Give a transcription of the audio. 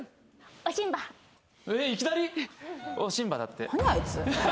おしんばだって。